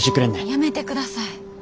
やめてください。